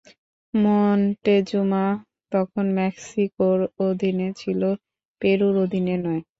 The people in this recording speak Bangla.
মন্টেজুমা তখন ম্যাক্সিকোর অধীনে ছিল, পেরুর অধীনে নয়!